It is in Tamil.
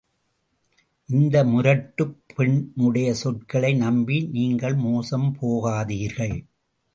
இந்த முரட்டுப் பெண்ணுடைய சொற்களை நம்பி, நீங்கள் மோசம் போகாதீர்கள்.